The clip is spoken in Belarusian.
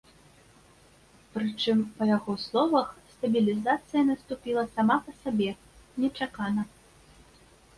Прычым, па яго словах, стабілізацыя наступіла сама па сабе, нечакана.